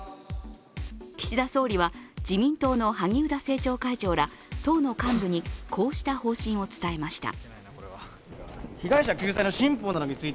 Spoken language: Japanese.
岸田総理は、自民党の萩生田政調会長ら党の幹部にこうした方針を伝えました。